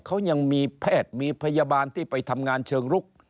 เขายังมีแพทย์มีพยาบาลที่ไปทำงานเชิงลุก